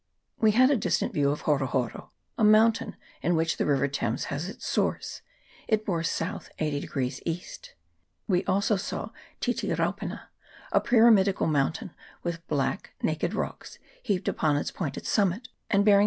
We had a distant view of Horo Horo, a moun tain in which the river Thames has its source ; it bore S. 80 E. We also saw Titiraupena, a py ramidical mountain, with naked black rocks heaped upon its pointed summit, and bearing S.